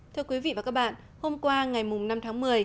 thưa quý vị và các bạn hôm qua ngày năm tháng một mươi